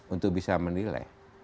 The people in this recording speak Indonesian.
untuk bisa menilai